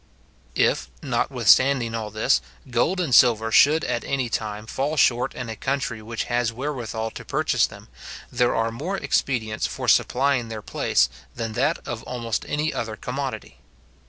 If, not withstanding all this, gold and silver should at any time fall short in a country which has wherewithal to purchase them, there are more expedients for supplying their place, than that of almost any other commodity.